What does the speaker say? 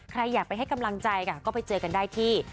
ใครอยากไปให้กำลังใจค่ะก็ไปเจอกันได้ที่